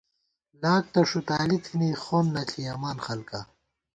لاک تہ ݭُتالی تھنی خون نہ ݪِیَمان خلکا